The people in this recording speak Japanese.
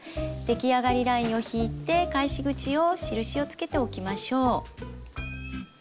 できあがりラインを引いて返し口を印をつけておきましょう。